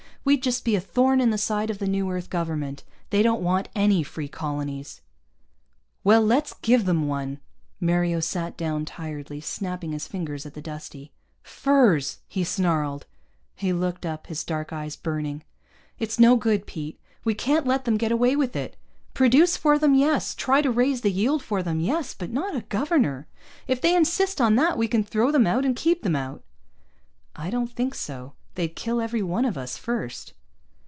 We'd just be a thorn in the side of the new Earth Government. They don't want any free colonies." "Well, let's give them one." Mario sat down tiredly, snapping his fingers at the Dustie. "Furs!" he snarled. He looked up, his dark eyes burning. "It's no good, Pete. We can't let them get away with it. Produce for them, yes. Try to raise the yield for them, yes. But not a governor. If they insist on that we can throw them out, and keep them out." "I don't think so. They'd kill every one of us first."